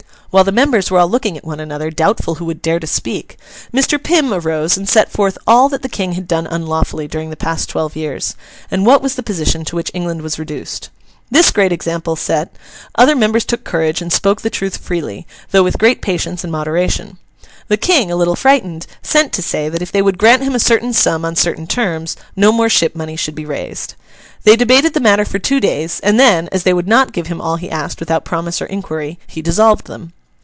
While the members were all looking at one another, doubtful who would dare to speak, Mr. Pym arose and set forth all that the King had done unlawfully during the past twelve years, and what was the position to which England was reduced. This great example set, other members took courage and spoke the truth freely, though with great patience and moderation. The King, a little frightened, sent to say that if they would grant him a certain sum on certain terms, no more ship money should be raised. They debated the matter for two days; and then, as they would not give him all he asked without promise or inquiry, he dissolved them.